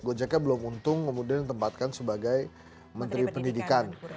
gojeknya belum untung kemudian ditempatkan sebagai menteri pendidikan